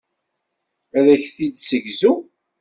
Ad ak-t-id-ssegzuɣ.